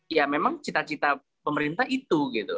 ya memang cita cita pemerintah itu gitu